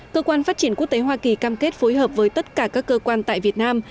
cơ quan phát triển quốc tế hoa kỳ cam kết phối hợp với tất cả các cơ quan tại việt nam